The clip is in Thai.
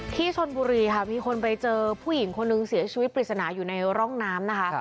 ที่ชนบุรีค่ะมีคนไปเจอผู้หญิงคนนึงเสียชีวิตปริศนาอยู่ในร่องน้ำนะคะ